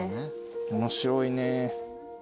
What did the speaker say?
面白いね。